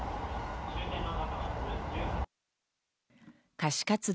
歌手活動